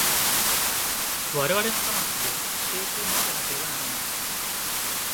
我々の魂を否定するものでなければならない。